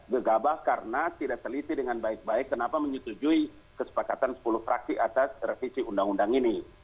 gegabah karena tidak teliti dengan baik baik kenapa menyetujui kesepakatan sepuluh fraksi atas revisi undang undang ini